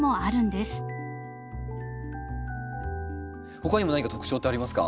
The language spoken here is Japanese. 他にも何か特徴ってありますか？